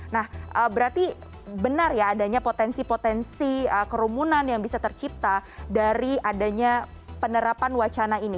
nah berarti benar ya adanya potensi potensi kerumunan yang bisa tercipta dari adanya penerapan wacana ini